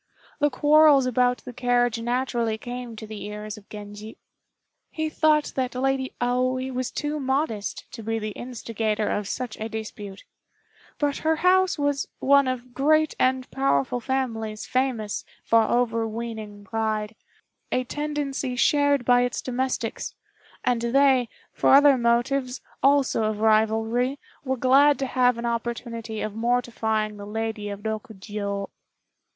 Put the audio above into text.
The quarrels about the carriage naturally came to the ears of Genji. He thought that Lady Aoi was too modest to be the instigator of such a dispute; but her house was one of great and powerful families famous for overweening pride, a tendency shared by its domestics; and they, for other motives, also of rivalry, were glad to have an opportunity of mortifying the Lady of Rokjiô.